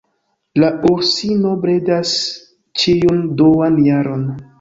La ursino bredas ĉiun duan jaron.